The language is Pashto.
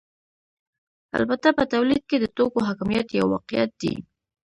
البته په تولید کې د توکو حاکمیت یو واقعیت دی